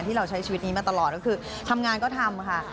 เราใช้ชีวิตนี้มาตลอดก็คือทำงานก็ทำค่ะ